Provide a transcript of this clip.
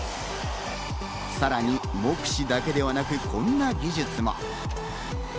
さらに目視だけではなく、こんな技術も。